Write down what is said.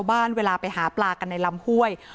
อวกเอาไม่ทันครอบครบเขาใช้ใจอยู่